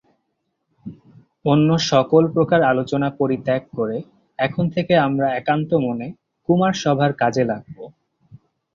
অন্য সকল-প্রকার আলোচনা পরিত্যাগ করে এখন থেকে আমরা একান্তমনে কুমারসভার কাজে লাগব।